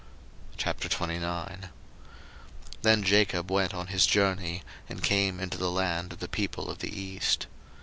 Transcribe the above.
01:029:001 Then Jacob went on his journey, and came into the land of the people of the east.